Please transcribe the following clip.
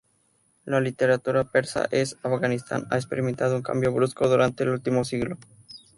La literatura persa en Afganistán ha experimentado un cambio brusco durante el último siglo.